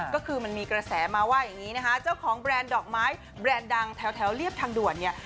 ก็คือมันมีกระแสมาว่าอย่างนี้นะคะเจ้าของแบรนด์ดอกไม้แบรนด์ดังแถวเรียบทางด่วนเนี่ย